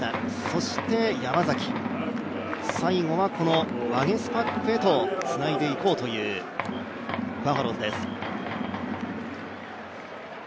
そして山崎、最後はワゲスパックへとつないでいこうというバファローズです。